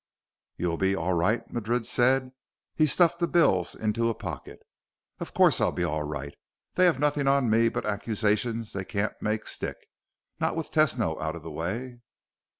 "You'll be all right?" Madrid said. He stuffed the bills into a pocket. "Of course I'll be all right! They have nothing on me but accusations they can't make stick not with Tesno out of the way."